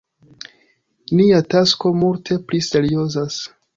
Nia tasko multe pli seriozas!